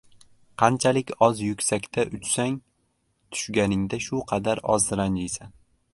Qanchalik oz yuksakda uchsang, tushganingda shu qadar oz ranjiysan.